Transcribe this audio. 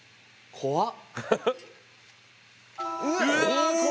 怖っ！